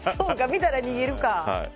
見たら逃げるか。